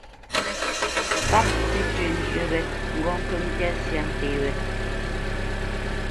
Páp tí tʉ̄ njyə́ wé ŋgɔ́ kə́ mbyá syâ nté wé.